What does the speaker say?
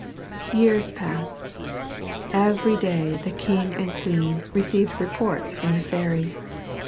Years passed. Every day the king and queen received reports from the fairy.